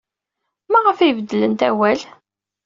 Maɣef ay beddlent awal?